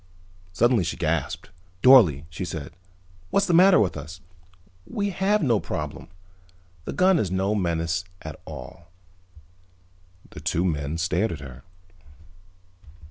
Suddenly she gasped. "Dorle," she said. "What's the matter with us? We have no problem. The gun is no menace at all." The two men stared at her.